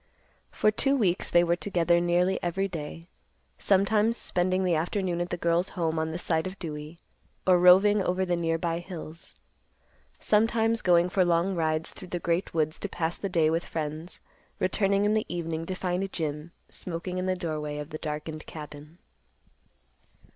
For two weeks they were together nearly every day, sometimes spending the afternoon at the girl's home on the side of Dewey, or roving over the nearby hills; sometimes going for long rides through the great woods to pass the day with friends, returning in the evening to find Jim smoking in the doorway of the darkened cabin.